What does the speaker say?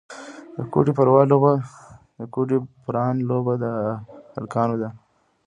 د ګوډي پران لوبه د هلکانو ده.